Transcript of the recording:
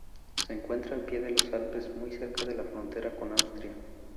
Se encuentra al pie de los Alpes, muy cerca de la frontera con Austria.